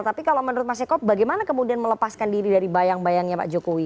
tapi kalau menurut mas eko bagaimana kemudian melepaskan diri dari bayang bayangnya pak jokowi